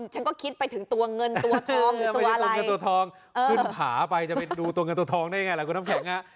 ฉันก็คิดไปถึงตัวเงินตัวทองตัวเงินตัวทองขึ้นผาไปจะไปดูตัวเงินตัวทองได้ไงล่ะคุณน้ำแข็ง